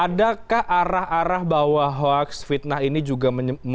adakah arah arah bahwa hoax fitnah ini juga